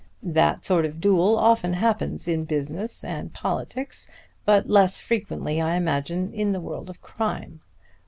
That sort of duel often happens in business and politics, but less frequently, I imagine, in the world of crime.